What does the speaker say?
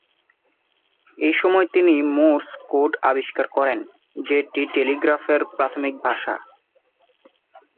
এসময় তিনি Morse code আবিষ্কার করেন, যেটি টেলিগ্রাফের প্রাথমিক ভাষা।